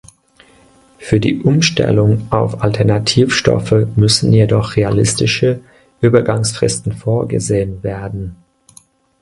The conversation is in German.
Für die Umstellung auf Alternativstoffe müssen jedoch realistische Übergangsfristen vorgesehen werden.